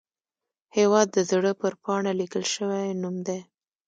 هیواد د زړه پر پاڼه لیکل شوی نوم دی